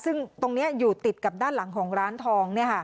ซึ่งตรงนี้อยู่ติดกับด้านหลังของร้านทอง